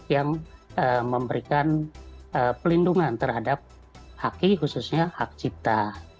yang memberikan pelindungan terhadap haki khususnya hak cipta